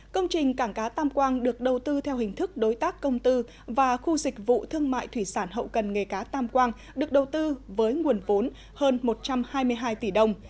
công trình cảng cá tam quang được đầu tư theo hình thức đối tác công tư và khu dịch vụ thương mại thủy sản hậu cần nghề cá tam quang được đầu tư với nguồn vốn hơn một trăm hai mươi hai tỷ đồng